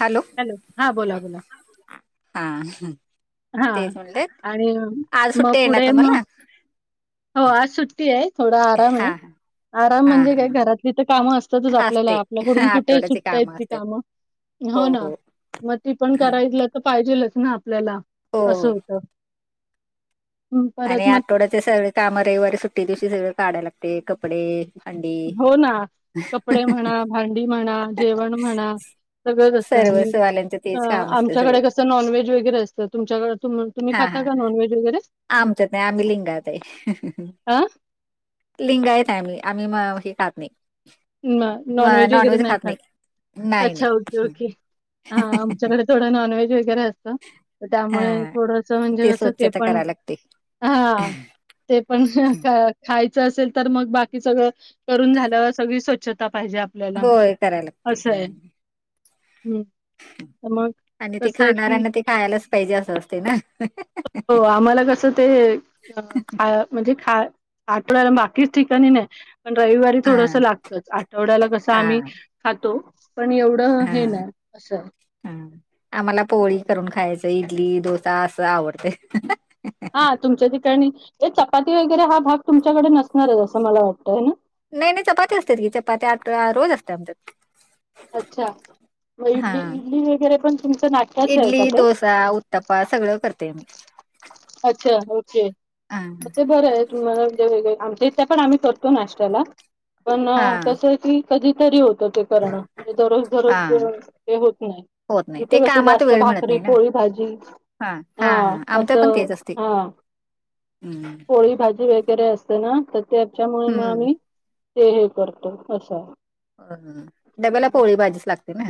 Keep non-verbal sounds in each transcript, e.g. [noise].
Hello. Hello, हां बोला बोला हा ह. हा आणि आज मग सुट्टी आहे ना पुढे तुम्हाला मग हो आज सुट्टी ए, थोडा आराम ए, हा हा आराम म्हणजे काय हा घरातली तर कामं असतात च तुझं, आपल्याला असते आपल्याकडून कुठे आठवड्याचे सुटताय ती असतात कामं, हो ना. मग ती पण करायलं तर पाहिजेलच ना आपल्याला, हो असं हो होतं. हं, आणि परत मग आठवड्याचे सगळे काम रविवारी सुट्टी दिवशी सगळे काढायला लागते कपडे भांडी हो ना, कपडे म्हणा, भांडी म्हणा, जेवण म्हणा सगळंच असतं आणि सर्वच वाल्यांचं तेच काम असते सगळं आमच्याकडे कसं नॉन वेज वगैरे असतं, तुमच्याकड तुम तुम्ही खाता का नॉन वेज वैगेरे? आमच्या नाही, आम्ही लिंगायत आहे. हा लिंगायेत आम्ही, आम्ही मग हे खात नाही नॉन व्हेज वगैरे नाही खात, नाही नाही अच्छा ओके ओके हा आमच्याकडे थोडं नॉन-वेज वगैर असत हा त्यामुळे थोडस म्हणजे कस ते स्वच्छता पण, करायला लागते हा ते पण खायचं असेल तर मग, बाकी सगळं करून झाल्या वरच सगळी स्वच्छता पाहिजे आपल्याला, होय करायला लागते असं ए, हम्म. हम् तर मग, कसं ए की खायालाच पायजे असं असतय ना, हो, आम्हाला कसं ते ख म्हणजे खाय आठवड्याला बाकी ठिकाणी नाही, पण रविवारी हा थोडसं लागतच, आठवड्याला कसं हा आम्ही खातो, पण एवढं हा हे नाय असं ते इडली, डोसा असं आवडतं हा, तुमच्या ठिकाणी, चपाती वगैरे हा भाग तुमच्याकडे नसणारच असं मला वाटतं हे ना? नाही, नाही, चपाती असते की, चपात्या आठ रोज असत्या आमच्यात. अच्छा! मग हा इडली, इडली वगैरे पण तुमच नाश्त्याचं ए का ते? टपा, सगळं करते मी. अच्छा! ओके, हा मग ते बरंय. म्हणून ते वेगळे, आमच्या इथे पण आम्ही करतो नाश्त्याला, पण हा कसं ए की कधी तरी होतं ते करणं, दररोज दररोज हा ते होत नाय. होत नाही ते इथे कसं कामात जास्त वेळ मिळत भाकरी, नाही ना पोळी, भाजी, हा आमच्यात पण असं तेच असते हा, हम्म पोळी, भाजी वगैरे असतं ना त्याच्यामुळे मग हम्म. आम्ही ते हे करतो, असं अ, डब्याला आहे. पोळीच भाजीच लागते ना.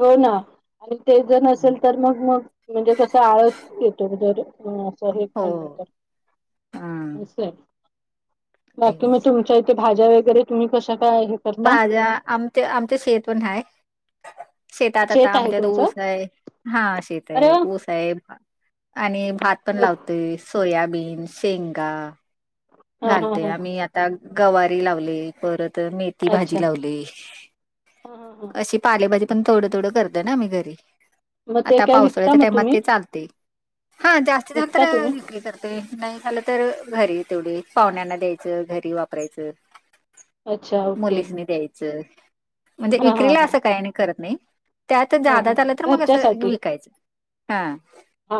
हो ना, आणि ते जर हम्म. नसेल तर मग? मग? म्हणजे कसं आळस येतो, जर असं हे हो खाल्लं तर. हा असं ए, ते. बाकी मग तुमच्या इथे भाज्या वगैरे तुम्ही कश्या, काय घेत भाज्या, आमच्या आमच्या शेेत पण हाय शेतात आता शेत आहे आमच्यात तुमचं ऊसय, हा शेत अरे ए, वा ऊस ए आणि भात पण मग लावतोय, सोयाबीन, शेंगा हा हा घालतय, हा आम्ही आता गवारी लावली, परत मेथी अच्छा भाजी लावली, हा हा हा अशी पाले भाजी पण थोडं थोड करतना आम्ही घरीऋ मग ते आता काय विकता पावसाळ्याच्या मग टायमात तुम्ही ते चालतंय. हा, जास्ती झालं तर विकता तुम्ही विक्री करतय, नाही झालं तर घरी तेवढे पावण्यांना द्यायचं, घरी वापरायचं, अच्छा ओके मुलीसनी द्यायचं. म्हणजे हा हा ईक्रीला हा असं काय करत नाही. त्यात हा ज्यादा हा झालं आलं तर मग असं घरच्यासाठी विकायचं, हां. हा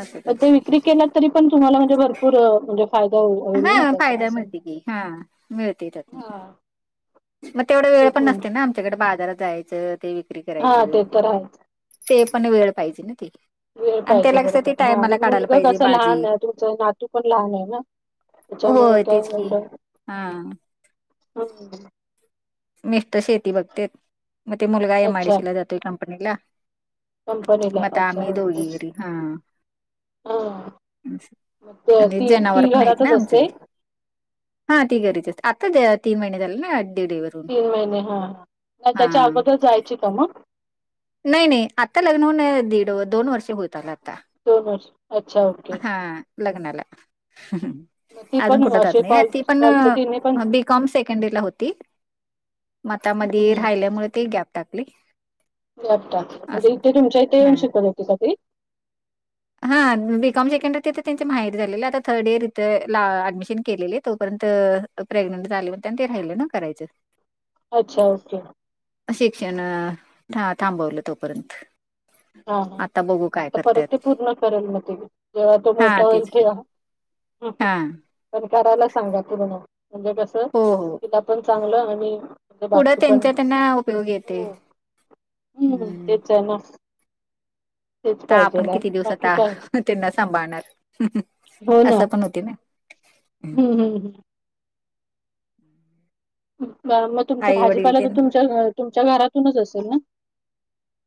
असं पण ते करतय. विक्री केला तरी पण तुम्हाला म्हणजे भरपूर म्हणजे फायदा होऊ हा फायदा मिळतय की, हा मिळतय त्यात. हा म तेवढा वेळ तेच पण म्हटलं नसतय ना आमच्याकडं बाजारात जाय च ते विक्री हा करायचं, ते तर आहे ते पण वेळ पायजे ना ते वेळ आणि पायजे त्याला कसं बरोबर, ते हो आणि टायमाला काढायला मुलगा पाहिजे कसा भाजी लहान आहे तुमचं नातू पण लहान आहे ना. त्याच्यामुळे होय तेच काय की एवढं हा मिस्टर शेती बघतेत, मग ते मुलगा एम आय डी अच्छा सी ला जातोय कंपनीला. कंपनीला म आता अच्छा आम्ही ओके दोघी घरी, हा. हा मग ते- आणि ती जनावरं ती पण आहेत घरातच ना असते आमचे. हा ती घरीच असते, आता तीन महिने झाले ना डिलीवरी होऊन. तीन महिने हा,, का त्याच्या आगोदर जायची का मग? नाही नाही आत्ता लग्न होऊन दीड, दोन वर्ष होइत आलं आता दोन वर्ष अच्छा ओके हा लग्नाला मग ती अजून पण कुठ जात असे नाही, कॉल ती पण कॉलच तिने पण बी कॉम सेकंड इयरला होती म आता, मधी राहिल्यामुळे ते गॅप टाकले गॅप टाक, म्हणजे इथे तुमच्या इथं हा येऊन शिकवत होती का ती? हा, बी कॉम सेकंड इयर तिथं त्येचं माहेरी झालेलं, आता थर्ड इयर इथं ला ऍडमिशन केलेले तोपर्यंत प्रेग्नंट झाली होते अण ते राहिले नव्ह करायचं अच्छा ओके शिक्षण, थांबवलं तोपर्यंत हा, आता बघू हा काय आता परत ते करतात पूर्ण करल म ती, जेव्हा तो हा मोठा तेच की तेंव्हा हा पण करायला सांगा पूर्ण, म्हणजे कसं हो हो तिला पण चागलं आणि म्हणजे पुढं बाकी पण, त्यांच्या त्यांना उपयोग येते हो हम् हम्म तेच आहे ना. तेच अता आपण पाहिजेल आहे किती दिवस बाकी आता, काय त्येनां सांभाळणार. असं पण होतंय नय हम् हम् हम मग तुमच आई वडील भाजीपाला ते तर तुमच्या, तुमच्या घरातूनच असेल ना?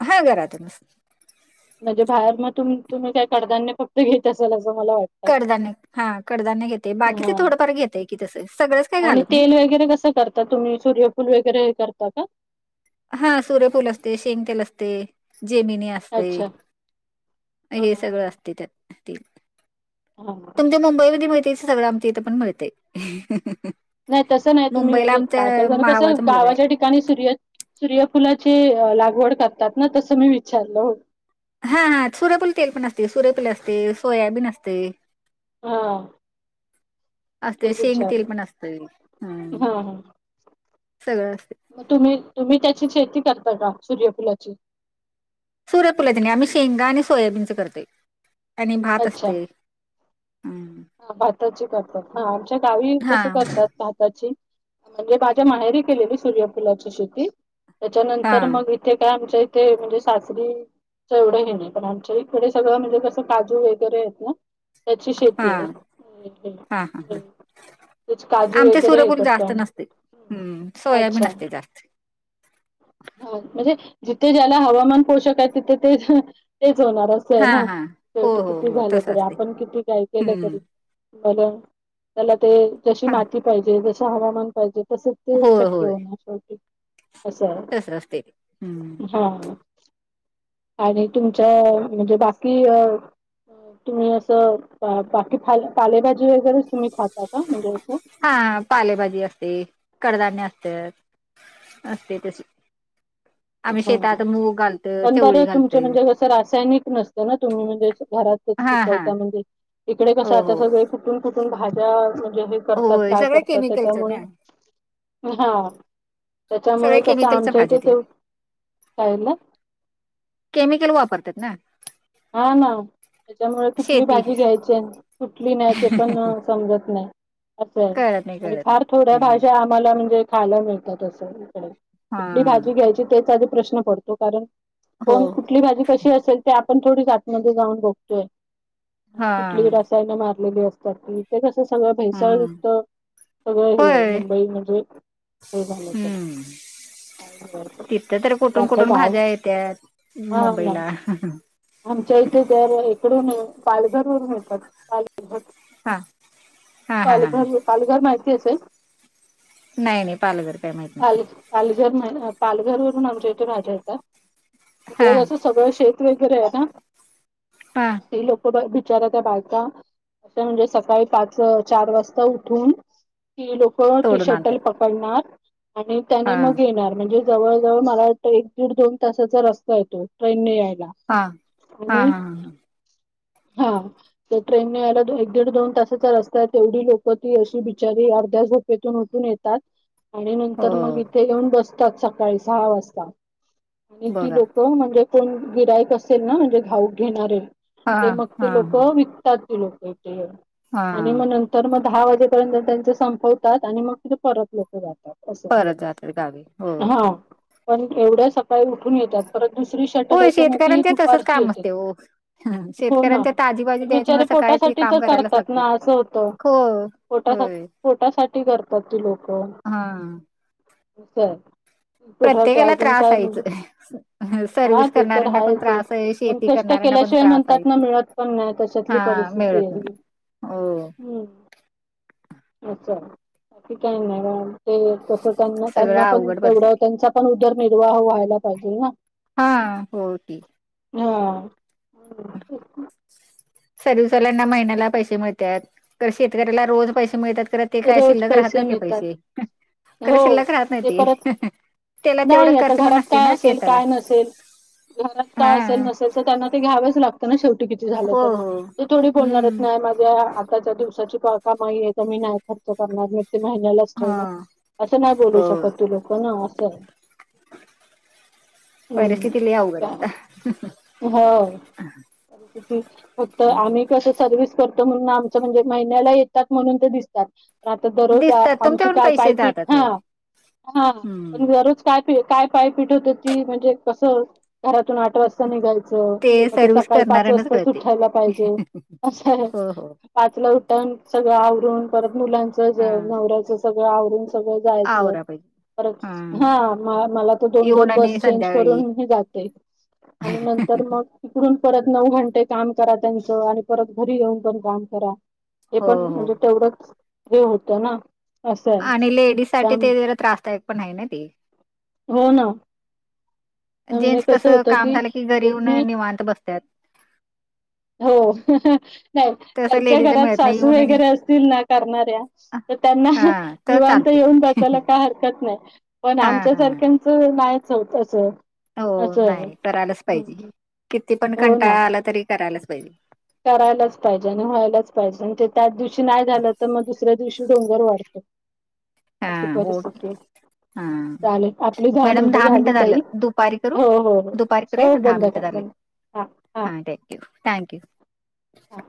हा घरातूनच म्हणजे बाहेरनं तुम, तुम्ही काय कडधान्य फक्त घेत असाल असं मला वाटतं. कडधान्य हा कडधान्य घेते बाकीच हा थोडंफार घेतय की तसं, सगळंच काय आणि घालत नाही. तेल वगैरे कसं कर आता तुम्ही सूर्यफुल वैगरे करता का? हा सूर्यफूल असतय, शेंगतेल असतय, जेमिनी असतय. अच्छा हा हे सगळं हा असतयं त्यात ते [inaudible] तुमच्या मुंबईमध्ये मिळतंय ते सगळं आमच्या इथं पण मिळतंय नाही तसं नाही तुम्ही म्हणजे, काय काय जण कसं मावाचा मुलगा गावाच्या ठी आहे ठिकाणी सूर्य, सूर्यफुलाची लागवड करतात ना तसं मी विचारलं हो हा, हा सूर्यफूल तेल पण असतय, सूर्यफूल असतय, सोयाबीन असतय. हां असतय, शेंगतेल पण असतय, हम् हा हा सगळं असतय. तुम्ही, तुम्ही त्याची शेती करता का सूर्यफुलाची? सूर्यफुलाची नाही, आम्ही शेंगा आणि सोयाबीनच करतोय आणि भात अच्छा असतय. हा भाताची करतात, हा आमच्या गावी हा कसं करतात भाताची, म्हणजे माझ्या माहेरी केलेली सूर्यफुलाची शेती हा त्याच्यानंतर मग इथे काय आमच्या इथे म्हणजे सासरी एवढं हे नाही, पण आमच्या इकडं सगळं म्हणजे कसं काजू वगैरे आहेत ना, त्याची [unintelligible] हा हा हा हा काजू आमच्या वगैरे हे सूर्यफूल करतो जास्त नसते. आम्ही हम्म, अच्छा सोयाबीन असतय जास्त [inaudible] हा म्हणजे, जिथे ज्याला हवामान पोषक हाय तिथे ते तेच होणार हाय. हो हा ना हा हो शेवटी हो किती हो झालं तसं तरी असते. आपण किती काही हम्म. [unintelligible] त्याला ते जशी हा माती पाहिजे जसं हवामान ते तस ते होय शक्य होणार, शेवटी असं हाय तसं असं असते हम्म. हां.. काय नाही आणि तुमच्या म्हणजे बाकी तुम्ही असं बाकी पालेभाजी वगैरे तुम्ही खाता का म्हणजे रोज. हा पालेभाजी असते कडधान्ये असत्यात. असते तशी आम्ही हा शेतात मूग घालतोय पण चवळी बरं तुमच घालतोय म्हणजे कसं नसतं ना तुम्ही म्हणजे घरातच हा हा पिकवता म्हणजे, इकडे कसं हो आता हो. सगळे कुठून कुठून म्हणजे, करतात होय काय सगळं करतात केमिकलच त्याच्यामुळे, ना सगळ्या त्याच्यामुळे कसं केमिकलच्या आमच्या भाज्या त्या इथं ना- केमिकल वापरतात ना हा ना त्यांच्यामुळे कुठली शेती भाजी घ्यायची कुठली नाही्या ते पण समजत नाही. असंय कळत नाही आणि कळत फार नाही. थोड्या हम्म. भाज्या. मला म्हणजे खायला मिळतात असं हा कुठली भाजी घ्या तेच आधी प्रश्न पडतो कारण, हो कोण कुठली भाजी कशी असेल. ते आपण थोडी आतमध्ये जाऊन बघतोय आणि हा कुठली रसायनं मारलेली असतात ती, ते कसं सगळं हम्म भेसळयुक्त- सगळं हे होय. मुंबई म्हणजे हे झालं पण- हम्म. तिथं तर कुठून आपडे कुठून काव भाज्या येत्यात हा मुंबईला [inaudible] आमच्या इथे तर इकडूनून पालघरवरून येतात पालघ हा हा हा हा पालघर, पालघर माहिती असेल. नाही नाही पालघर काय माहत नाही. पाल पालघर म्ह पालघर वरून आमच्या इथे राजा यता हा तिकडे जसं सगळं शेत [inaudible] हा ते लोक बिचारा त्या बायका. नाही म्हनजे सकाळी पाच, चार वाजता उठून लोक ती तोडून आणतात शटल पकडणार आणि त्याने हा मग येणार म्हणजे, जवळ जवळ मला एक दीड दोन तासाचा रस्ता येतो ट्रेन ने यायला. हां आणि हा तर ट्रेननेे यायला एक दीड दोन तासाचा रस्ता आहे तेवढी लोकं ती अशी बिचारी अर्ध्या तेथुन उठून येतात. आणि नंतर मग हो इथे येऊन बसतात सकाळी सहा वाजता. आणि ती बघा लोकं म्हणजे कोण गिरायक असेल ना म्हणजे घाऊक घेणारे. हा ते मग हा ते लोक हा विकतात ते लोक इथे हा आणि मग तर मग दहा वाजेपर्यंत त्यांचे संपवतात आणि मग तिथे परत लोक जातात. असं परत जातात गावी हो! हां. पण एवढ्या सकाळी उठून येतात, परत दुसरी शरट हो आहे त्या नव्हती शेतकऱ्यांचे तसंच दुपारची काम असते हो येत्यात हो ना शेतकऱ्यांच्या ताजी भाजी द्यायची बिचारे मला सकाळी ते पोटासाठी काम तर करायलाच करतात लागते ना असं होतं हो पोटा होय पोटासाठी करतात ती लोक हा प्रत्येकाला अजून त्रास काय आहेच म्हणजे हा सर्व्हिस ते तर करणाऱ्यांना पण आहेाच ओ [inaudible] त्रास आहे पण शेती कष्ट करणाऱ्यांना पण केल्याशिवाय त्रास आहे म्हणतात ना मिळत पण नाही तशातली हा परिस्थिती मिळत नाही आहे हो हम्म बाकी काय मग ते कस त्यांना सगळं त्यांना पण अवघड तेवड परिस्थिती तेंचा पण उदरनिर्वाह व्हायला पाहिजेल ना हा होय कि हा सरवीस वांल्याना महिन्याला पैशे मिळत्यात तर शेतकऱ्याला रोज पैसे मिळत्यात खर ते काय रोज शिल्लक राहत पैसे नाइत ते मिळतात पैसे खर हो शिल्लक रहत ते परत नाहीती तेला तेवड नाही आता खर्च पण घरात असतय काय ना असेल शेताला काय नसेल घरात काय असल हा नसेल त्यांना ते घ्यावच लागत ना शेवटी किती झाल हो तरी हो ते थोडी बोलनारेत हम्म नाय मा आताच्या दिवसाची का कामाई तर हे कमी नाय खर्च करणार महिन्याला हा ठेवनार असं नाय बोलू हो शकत ती लोक असंए परिस्थिती लय अवघडाय हम्म हो फक्त आता आम्ही कस सरविस करतो म्हणून आमच म्हणजे महिन्याला येत त्यात म्हणून ते दिसतय आता दररोज आ दिसतात आमची तुमच्याकडून काय पाय पैसे पायपीट जातात हा हो हा हम्म दरोज पायपीट काय पायपीट होती ती म्हणजे कस घरातून आठ वाजता निघायचं मग ते सर्व्हिस सकाळी पाच करणाऱ्यांनाच वाजताच कळते उठायला पाहिजे असाय हो हो पाचलं उटण सगळं आवरून परत मुलांच ज हा नवर्याच सगळं आवरून सगळं जायचं आवरा पाहिजे परत हा माला मला तर दोन येऊन दोन बस आणि चेंज संध्याकाळी करून मी जाते. आणि नंतर मग तिकडून परत नऊ घंटे काम करा त्यांचं आणि परत घरी येऊन पण काम करा हे हो पण हो म्हणजे हो तेवढंच हे होतं ना असं आहे आणि लेडीज साठी त्याम ते जरा त्रासदायक पण हाय ना ते हो ना म्हणजे जेंट्स कस कसं होत काम की झालं घरी येऊन दोनी निवांत बसत्यात हो नाय तसं ज्यांच्या लेडीजला घरात मिळत नाही सासू येऊन आणि वगैरे असतील ना करणाऱ्या तर त्यांना हा तर निवांत चालते. येऊन बसायला काय हरकत नाय पण हा आमच्या हा सारख्यान नायच होत तस हो नाय करायलाच पाइजे किती पण हो ना कंटाळ आला तरी करायलाच पाइजे करायलाच पाइजे आणि व्हायलाच पाइजे आणि ते त्याच दिवशी नाय झालं तर मग दुसऱ्या दिवशी डोंगर वाढतो हा अशी हो परिस्थितीच हा चालेल आपली धाहा मॅडम मिनटं दहा झाली झालं ताई दुपारी करू हो हो हो दुपारी हो करूया दहा बंद मिनटं करा झाले. बंद हा हा थँक्यू हा